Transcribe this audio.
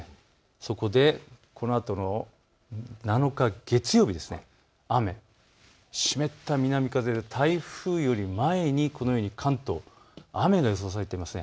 そこでこのあとの７日、月曜日、雨、湿った南風で台風より前にこのように関東、雨が予想されています。